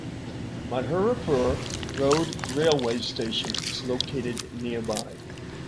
Mathurapur Road railway station is located nearby.